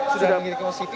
sudah mengirim ke cv